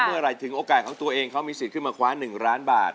เมื่อไหร่ถึงโอกาสของตัวเองเขามีสิทธิ์ขึ้นมาคว้า๑ล้านบาท